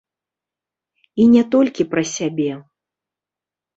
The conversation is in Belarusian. І не толькі пра сябе.